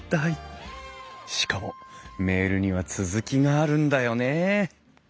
しかもメールには続きがあるんだよねえ。